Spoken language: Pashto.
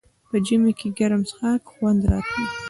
په ژمي کې ګرم څښاک خوند راوړي.